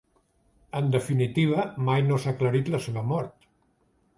En definitiva, mai no s'ha aclarit la seva mort.